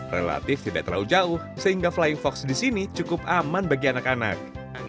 relatif tidak terlalu jauh sehingga flying fox di sini cukup aman bagi anak anak